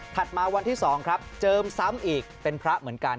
มาวันที่๒ครับเจิมซ้ำอีกเป็นพระเหมือนกัน